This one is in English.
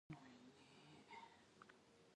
She went on to specialise in Early Music.